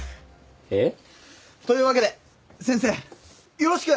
えっ？というわけで先生よろしく！